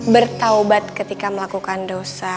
bertaubat ketika melakukan dosa